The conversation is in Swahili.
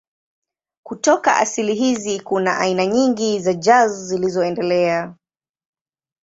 Kutoka asili hizi kuna aina nyingi za jazz zilizoendelea.